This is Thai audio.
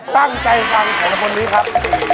ตั้งใจฟังผมคนนี้ครับ